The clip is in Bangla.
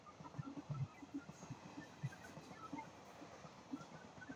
এ উদ্দেশ্যে তিনি রাজধানী মুর্শিদাবাদ থেকে অগ্রসর হয়ে কাটোয়ায় মারাঠাদের প্রধান ঘাঁটির বিরুদ্ধে অগ্রসর হন।